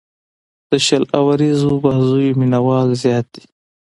د شل اووريزو بازيو مینه وال زیات دي.